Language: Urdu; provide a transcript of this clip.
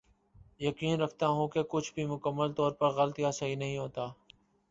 یقین رکھتا ہوں کہ کچھ بھی مکمل طور پر غلط یا صحیح نہیں ہوتا